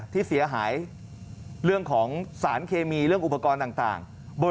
ที่เสียหายเรื่องของสารเคมีเรื่องอุปกรณ์ต่าง